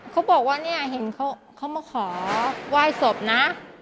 เขาบอกว่าเนี่ยเห็นเขามาขอไหว้ศพนะ